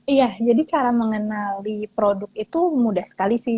iya jadi cara mengenali produk itu mudah sekali sih